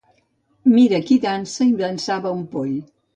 Mira qui dansa, i dansava un poll.